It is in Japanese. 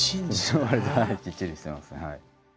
わりときっちりしてますね。